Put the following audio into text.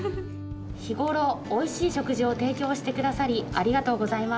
「日頃おいしい食事を提供して下さりありがとうございます」。